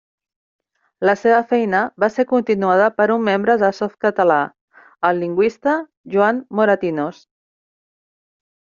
La seva feina va ser continuada per un membre de Softcatalà, el lingüista Joan Moratinos.